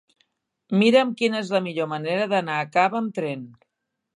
Mira'm quina és la millor manera d'anar a Cava amb tren.